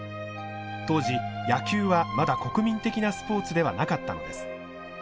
当時野球はまだ国民的なスポーツではなかったのです。